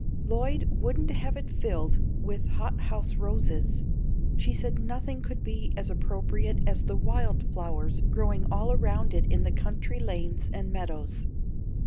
Lloyd wouldn't have it filled with hothouse roses. She said nothing could be as appropriate as the wild flowers growing all around it in the country lanes and meadows.